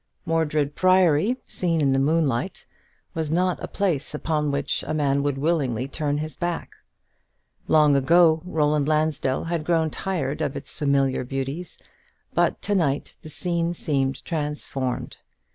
Mordred Priory, seen in the moonlight, was not a place upon which a man would willingly turn his back. Long ago Roland Lansdell had grown tired of its familiar beauties; but to night the scene seemed transformed.